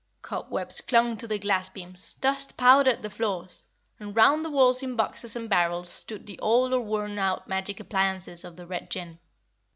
Cobwebs clung to the glass beams, dust powdered the floors, and round the walls in boxes and barrels stood the old or worn out magic appliances of the Red Jinn.